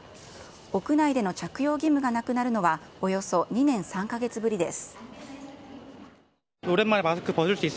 屋内での着用義務がなくなるのは、およそ２年３か月ぶりです。